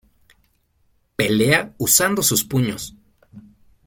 Pelea usando sus puños.